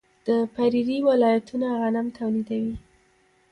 د پریري ولایتونه غنم تولیدوي.